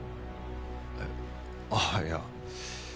えっああいや。